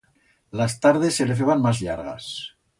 Las tardes se le feban mas llargas.